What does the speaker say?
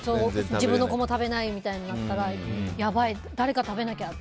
自分の子も食べないとかなったらやばい、誰か食べなきゃ。